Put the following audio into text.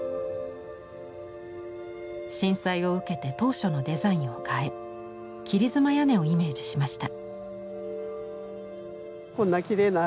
震災を受けて当初のデザインを変え切り妻屋根をイメージしました。